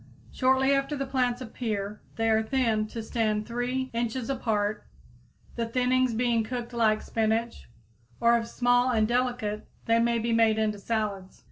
Shortly after the plants appear they are thinned to stand 3 inches apart, the thinnings being cooked like spinach, or, if small and delicate, they may be made into salads.